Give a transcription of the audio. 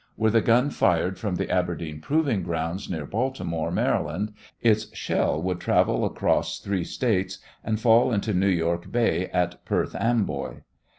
Were the gun fired from the Aberdeen Proving Grounds, near Baltimore, Maryland, its shell would travel across three states and fall into New York Bay at Perth Amboy.